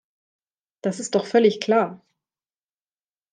Das ist doch völlig klar.